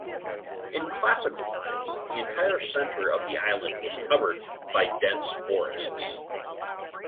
In classical times the entire center of the island was covered by dense forests.